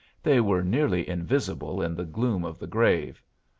They were nearly invisible in the gloom of the grave.